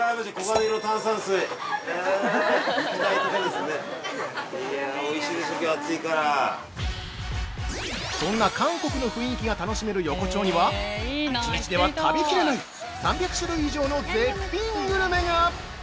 すごい！◆そんな韓国の雰囲気が楽しめる横丁には、１日では食べきれない３００種類以上の絶品グルメが！